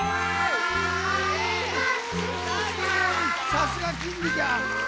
さすがキングじゃ！